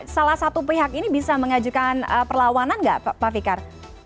salah satu pihak ini bisa mengajukan perlawanan nggak pak fikar